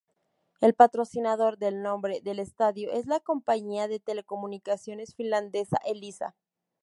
El patrocinador del nombre del estadio es la compañía de telecomunicaciones finlandesa Elisa.